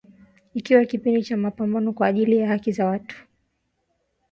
ilikuwa kipindi cha mapambano kwa ajili ya haki za watu